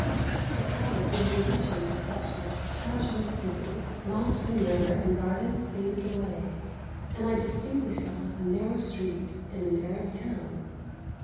The power of the musician was such that Tâj and city, mosque and river and garden faded away, and I distinctly saw a narrow street in an Arab town.